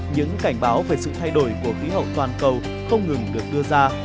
những cảnh báo về sự thay đổi của khí hậu toàn cầu không ngừng được đưa ra